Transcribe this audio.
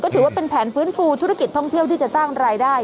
ถือว่าเป็นแผนฟื้นฟูธุรกิจท่องเที่ยวที่จะสร้างรายได้